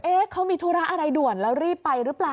เขามีธุระอะไรด่วนแล้วรีบไปหรือเปล่า